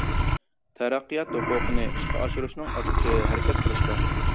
تەرەققىيات ھوقۇقىنى ئىشقا ئاشۇرۇشنىڭ ئاچقۇچى ھەرىكەت قىلىشتا.